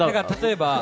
例えば？